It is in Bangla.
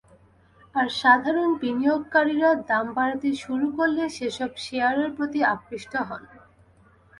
আর সাধারণ বিনিয়োগকারীরা দাম বাড়াতে শুরু করলে সেসব শেয়ারের প্রতি আকৃষ্ট হন।